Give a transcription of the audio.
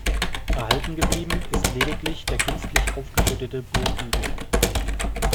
Erhalten geblieben ist lediglich der künstlich aufgeschüttete Burghügel.